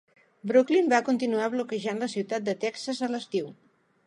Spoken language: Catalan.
"Brooklyn" va continuar bloquejant la ciutat de Texas a l'estiu.